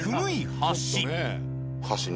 橋？